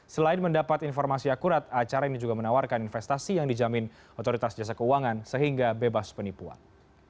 selain mendapat informasi akurat acara ini juga menawarkan investasi yang dijamin otoritas jasa keuangan sehingga bebas penipuan